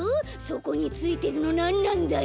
そこについてるのなんなんだよ？